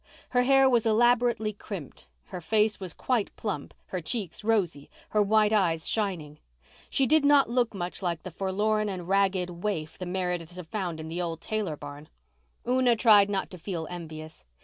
Her hair was elaborately crimped, her face was quite plump, her cheeks rosy, her white eyes shining. She did not look much like the forlorn and ragged waif the Merediths had found in the old Taylor barn. Una tried not to feel envious.